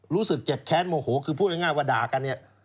รู้สึกเจ็บแค้นโมโหคือพูดง่ายว่าด่ากันเนี่ย